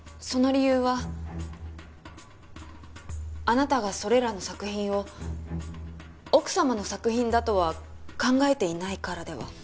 その理由はあなたがそれらの作品を奥様の作品だとは考えていないからでは？